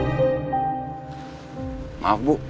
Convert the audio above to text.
terima kasih bu